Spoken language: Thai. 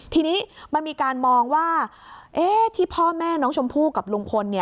ทีนี้มันมีการมองว่าที่พ่อแม่น้องชมพู่กับลุงพล